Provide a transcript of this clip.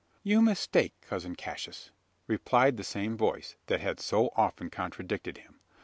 "You mistake, cousin Cassius," replied that same voice that had so often contradicted him.